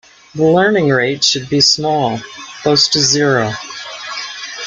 The learning rate should be small, close to zero.